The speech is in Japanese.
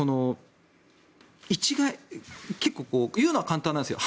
結構、言うのは簡単なんですよ。